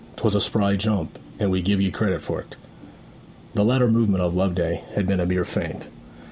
'Twas a spry jump, and we give ye credit for 't.' The latter movement of Loveday had been a mere feint.